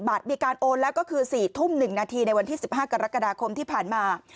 บัตรมีการโอนแล้วก็คือ๔ทุ่ม๑นาทีในวันที่๑๕กรกฎาคมที่ผ่านมา